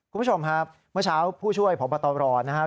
คุณผู้ชมครับเมื่อเช้าผู้ช่วยพบมาตอนรอนะฮะ